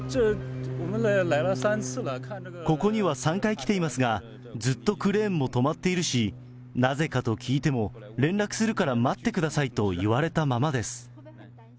ここには３回来ていますが、ずっとクレーンも止まっているし、なぜかと聞いても、連絡するから待ってくださいと言われたままです。